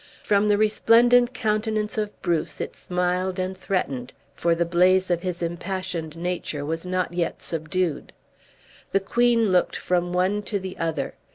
From the resplendent countenance of Bruce it smiled and threatened, for the blaze of his impassioned nature was not yet subdued. The queen looked from one to the other.